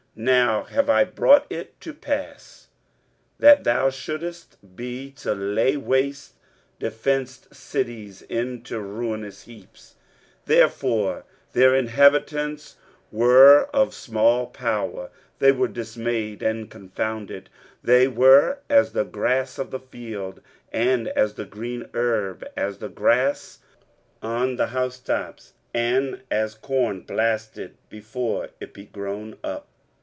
now have I brought it to pass, that thou shouldest be to lay waste defenced cities into ruinous heaps. 23:037:027 Therefore their inhabitants were of small power, they were dismayed and confounded: they were as the grass of the field, and as the green herb, as the grass on the housetops, and as corn blasted before it be grown up.